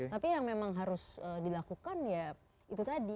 tapi yang memang harus dilakukan ya itu tadi